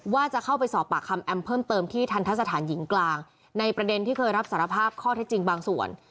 ว่าจะเข้าไปสอบปากคำแอมเพิ่มเติมที่ทันทะสถานหญิงกลางในประเด็นที่เคยรับสารภาพข้อเท็จจริงบางส่วน